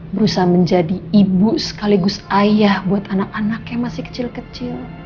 berusaha menjadi ibu sekaligus ayah buat anak anak yang masih kecil kecil